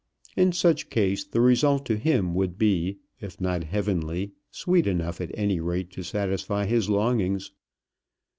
In such case the result to him would be, if not heavenly, sweet enough at any rate to satisfy his longings.